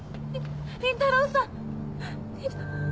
倫太郎さん！